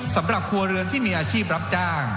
สำหรับครัวเรือนที่มีอาชีพรับจ้าง